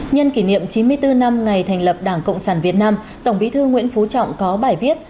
nhân kỷ niệm chín mươi bốn năm ngày thành lập đảng cộng sản việt nam tổng bí thư nguyễn phú trọng có bài viết